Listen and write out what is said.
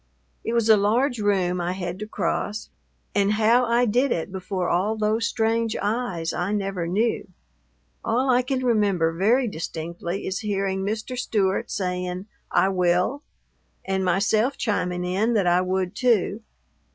It was a large room I had to cross, and how I did it before all those strange eyes I never knew. All I can remember very distinctly is hearing Mr. Stewart saying, "I will," and myself chiming in that I would, too.